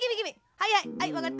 はいはいはいわかったよ。